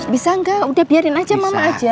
bisa enggak udah biarin aja mama aja